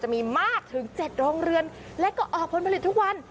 มีมากถึง๗โรงเรือนและก็ออกผลผลิตทุกวัน